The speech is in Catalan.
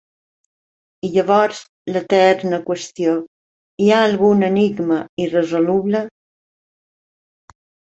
I llavors, l'eterna qüestió: ¿hi ha algun enigma irresoluble?